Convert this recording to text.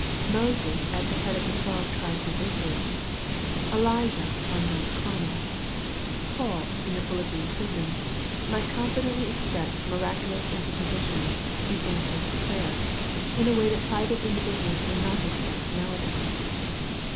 Moses at the head of the twelve tribes of Israel Eli jah on Mount Carmel Paul in the Philippian prison, might confi dently expect miraculous interpositions in answer to prayer, in a way that private individuals may not expect in our days.